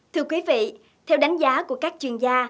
thưa quý vị theo đánh giá của các chuyên gia